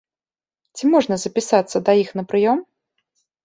Ці можна запісацца да іх на прыём?